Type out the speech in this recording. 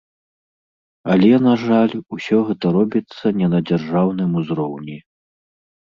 Але, на жаль, усё гэта робіцца не на дзяржаўным узроўні.